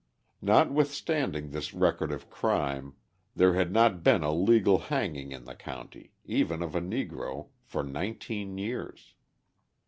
Notwithstanding this record of crime, there had not been a legal hanging in the county, even of a Negro, for nineteen years.